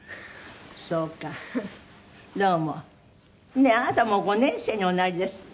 ねえあなたもう５年生におなりですって？